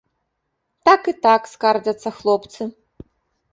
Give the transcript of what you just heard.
Так і так, скардзяцца хлопцы.